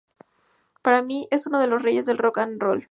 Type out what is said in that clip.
Para mí, es uno de los reyes del "rock and roll".